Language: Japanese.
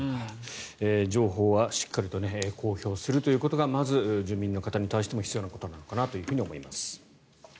情報はしっかりと公表するということがまず、住民の方に対しても必要なことなのかと思います。